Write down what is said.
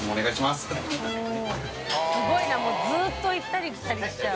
すごいなもう困辰行ったり来たりしちゃう。